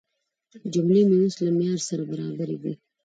جملې مې اوس له معیار سره برابرې دي.